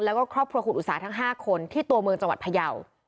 แล้วก็ครอบครัวคุณอุตสาทั้ง๕คนที่ตัวเมืองจังหวัดพยาว